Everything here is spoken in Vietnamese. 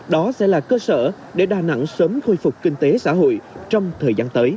đó sẽ là cơ sở để đà nẵng sớm khôi phục kinh tế xã hội trong thời gian tới